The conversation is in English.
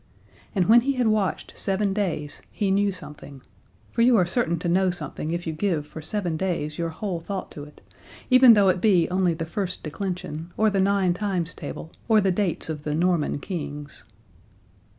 And when he had watched seven days he knew something. For you are certain to know something if you give for seven days your whole thought to it, even though it be only the first declension, or the nine times table, or the dates of the Norman Kings.